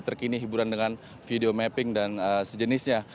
terkini hiburan dengan video mapping dan sejenisnya